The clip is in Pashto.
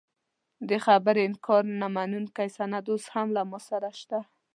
دې خبرې انکار نه منونکی سند اوس هم له ما سره شته.